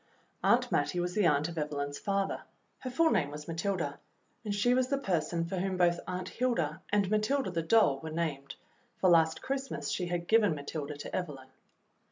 Aunt Mattie was the aunt of Evelyn's father. Her full name was Matilda, and she was the person for whom both Aunt Hilda and Matilda, the doll, were named, for last Christmas she had given Matilda to Evelyn.